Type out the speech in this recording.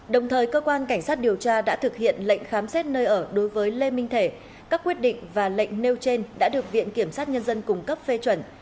đồng thời cơ quan cảnh sát điều tra đã thực hiện lệnh khám xét nơi ở đối với lê minh thể các quyết định và lệnh nêu trên đã được viện kiểm sát nhân dân cung cấp phê chuẩn